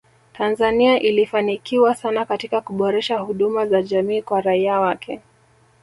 Tanzania ilifanikiwa sana katika kuboresha huduma za jamii kwa raia wake